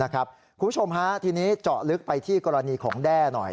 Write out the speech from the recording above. คุณผู้ชมฮะทีนี้เจาะลึกไปที่กรณีของแด้หน่อย